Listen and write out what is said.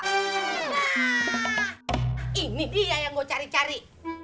nah ini dia yang gua cari cari